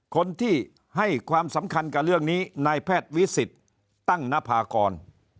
คนที่ให้ความสำคัญกับเรื่องนี้นายแพทย์วิสิทธิ์ตั้งนภากร